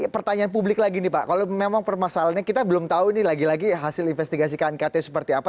pertanyaan publik lagi nih pak kalau memang permasalahannya kita belum tahu nih lagi lagi hasil investigasi knkt seperti apa